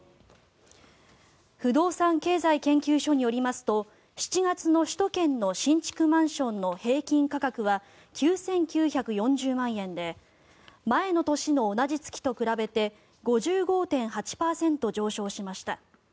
不動産経済研究所によりますと７月の首都圏の新築マンションの平均価格は９９４０万円で前の年の同じ月と比べて５５．８％上昇しました。